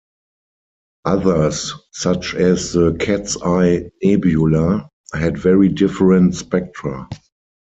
Others, such as the Cat's Eye Nebula, had very different spectra.